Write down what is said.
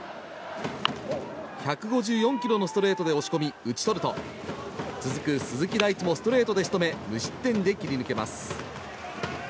１５４キロのストレートで押し込み、打ち取ると続く鈴木大地もストレートで仕留め無失点で切り抜けます。